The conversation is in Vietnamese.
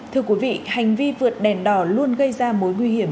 thưa quý vị hành vi vượt đèn đỏ luôn gây ra mối nguy hiểm